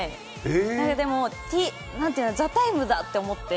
でも、「ＴＨＥＴＩＭＥ，」だと思って。